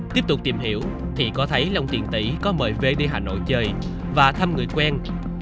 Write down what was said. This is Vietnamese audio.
tiếp tục tìm hiểu thì có thấy long tiền tỷ có mời về đi hà nội chơi và thăm người quen